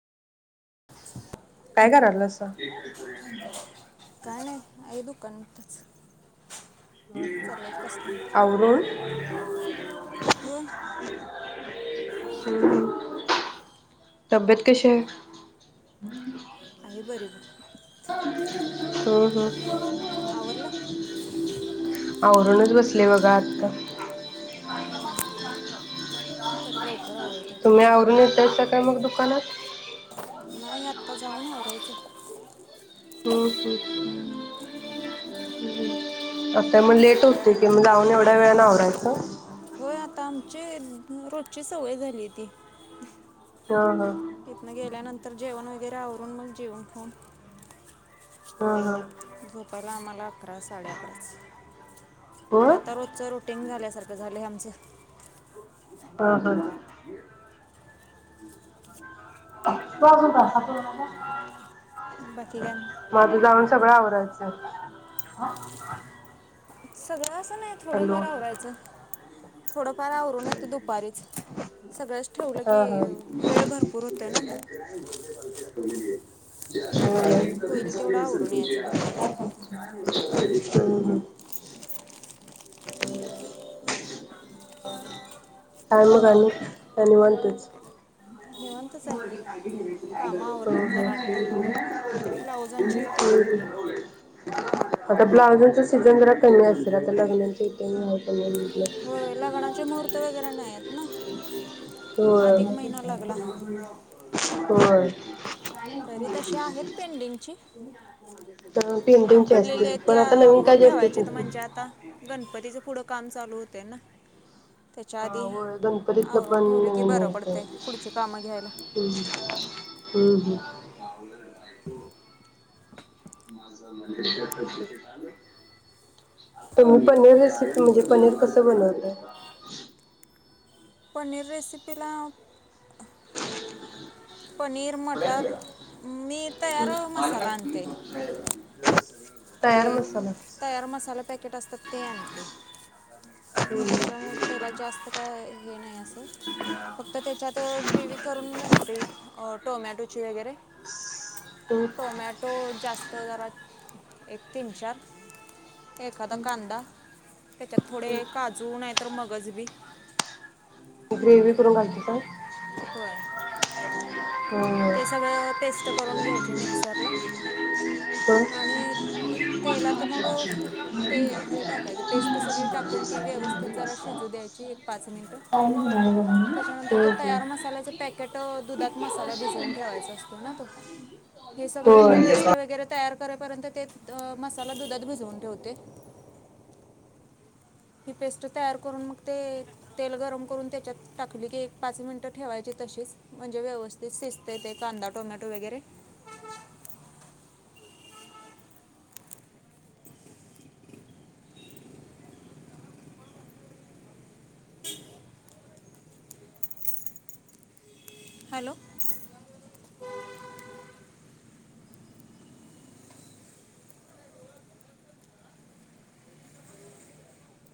काय करालसा? तच आवरून हो [inaudible] तब्येत कशी आहे मि बरी होत. हम हम. आवरला आवरूनच बसले बघा आत्ता. हा, तर लव तुम्ही आवरून येतायसा काय मग दुकानात. नाही आत्ता जाऊन आवरायचं. हम-हम त्यामुळे आता लेट होते की साडेआठला म्हणलं बंद जाऊन करायचं एवढ्या वेळ न आवरायचं. होय आता आमची रोजची सवय झाली ती हा हा इथनं गेल्यानंतर जेवण व मागे आवरून मग जेवन खाऊन हम हम झोपाला आम्हाला अकरा साडे अकरा च होय आता रोजच रोटींग झाल्यासारख झालायं आमच व बर बर बर तजून बाकी काय माझं जाऊन सगळं आवत बच सदाच नाही थोडंफार आवरायचं थोडंफार आवरून येते दुपारीच सगळंच ठेवलं की हा हा वेळ भरपूर होतोय ना ठले होईल तेवढं असेल आवरून तुम यायचं दुपारचं टाम काणी त्यांन वाटेज निवांतच आहे कामं हम्म आवरलीत जरा हम्म आत्ता ब्लाऊजांची होतीत आता ब्लाउजांचा सीझन जरा कमी असेल आता लग्नाचा इथे कमी होय लग्नाचे मुहूर्त वगैरे नाही आहेत नाही हो हो तरी तशी आहेत पेंडिंगची तर पेंडिंग पेंटिंगचे पडलेली असते आहे पण त्या आता नवीन काय आवरून जास्त येत ठेवायचे नसते. म्हणजे आता गणपतीच पुढं काम चालू होत तन हा हो गणपतीतलं की बरं पणतम् पडतंय पुढची कामं घ्यायला हम्् पावलं बायको त मी पनीर रेसिपी म्हणजे पनीर कस बनवत पनीर रेसिपला पनीर मटर मी तयार मसाला आणते ते तयार मसाला. तयार मसाे पॅकेट पस्त ते आहे ते हम्म. त्याच्यामुळे त्याला जास्त काय हे नाही असं फक्त त्याच्यात ग्रेवी करून घालते टोमॅटोची वगैरे टोमॅटो जास् तं जरा. एक तीन चार. एखादा कांदा. त्याच्यात थोडे काजू नाय तर मगज.. व्ही.. ग्रेवी करून घालता कां? होय होय. ते सगळं पेस्ट करून घ्यायचे मिक्सरला आणि तेला तर मग ते हे टाकायचं पेस्ट सगळी टाकून ती व्यवस्थित जरा शिजू द्यायची एक पाच मिनिटं. [inaudible] चं पॅकेट, दुधात मसाला भिजवून ठेवायचा असतो ना तो? हे सगळं होय. पेस्ट वैगरे तर तयार करे पर्यंत ते मसाला दुधात भीजवून ठेवते. हि पेस्ट तयार करून मग ते तेल गरम करून ती त्याच्यात टाकली की एक पाच मिनिटं ठेवायची तशीच. म्हणजे व्यवस्थित शिजते ते कांदा टोमॅटो वगैरे. हॅलो.